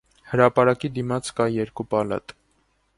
Հրապարակի դիմաց կա երկու պալատ։